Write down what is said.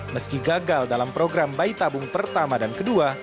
meski gagal dalam program bayi tabung pertama dan kedua